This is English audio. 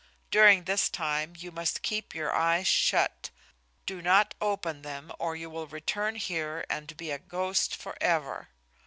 During this time you must keep your eyes shut; do not open them, or you will return here and be a ghost forever.